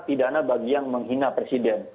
pidana bagi yang menghina presiden